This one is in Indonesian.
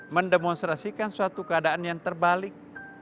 mendemonstrasikan suatu keadaan yang terbalik